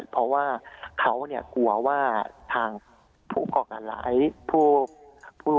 เพราะว่าเขาเนี่ยกลัวว่าทางผู้ก่อกันไหล